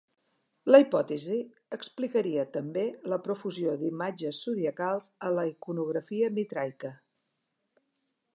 La hipòtesi explicaria també la profusió d'imatges zodiacals a la iconografia mitraica.